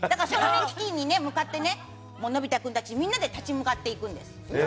危機に向かってのび太君たちみんなで立ち向かっていくんです。